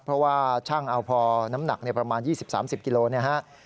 เพราะว่าช่างเอาพอน้ำหนักประมาณ๒๐๓๐กิโลนะครับ